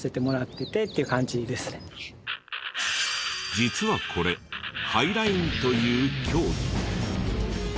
実はこれハイラインという競技。